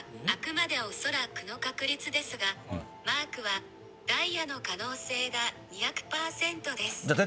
あくまで恐らくの確率ですがマークはダイヤの可能性が２００％です。